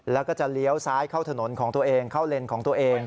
แล้วก็จะเลี้ยวซ้ายเข้าถนนของตัวเองเข้าเลนของตัวเอง